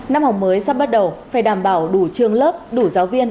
năm học mới sắp bắt đầu phải đảm bảo đủ trường lớp đủ giáo viên